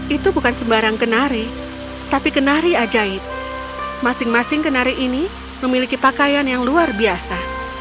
itu bukan sembarang kenari tapi kenari ajaib masing masing kenari ini memiliki pakaian yang luar biasa